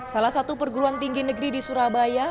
salah satu perguruan tinggi negeri di surabaya